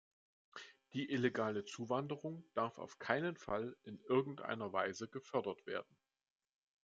Die illegale Zuwanderung darf auf keinen Fall in irgendeiner Weise gefördert werden!